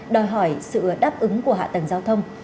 đòi hỏi sự đáp ứng của hạ tầng giao thông